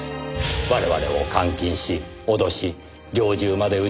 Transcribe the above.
我々を監禁し脅し猟銃まで撃ち。